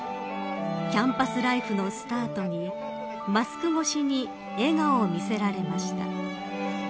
キャンパスライフのスタートにマスク越しに笑顔を見せられました。